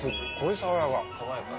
爽やか？